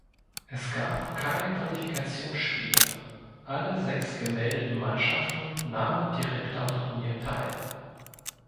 Es gab keine Qualifikationsspiele, alle sechs gemeldeten Mannschaften nahmen direkt am Turnier teil.